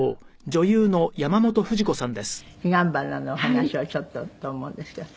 『彼岸花』のお話をちょっとと思うんですけど。